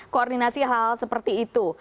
koordinasi hal hal seperti itu